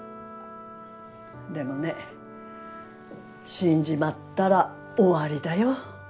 でもね死んじまったら終わりだよ。